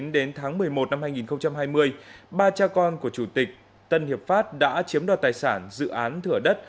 đến tháng một mươi một năm hai nghìn hai mươi ba cha con của chủ tịch tân hiệp pháp đã chiếm đoạt tài sản dự án thửa đất